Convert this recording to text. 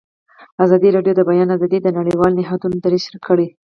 ازادي راډیو د د بیان آزادي د نړیوالو نهادونو دریځ شریک کړی.